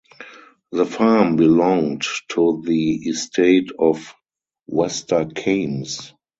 The farm belonged to the Estate of Wester Kames.